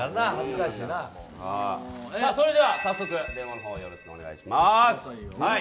それでは早速、電話のほうをよろしくお願いします。